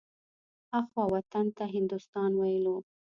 اخوا وطن ته هندوستان ويلو.